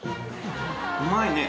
うまいね！